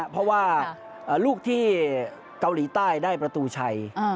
เพราะว่าลูกที่เกาหลีใต้ได้ประตูชัย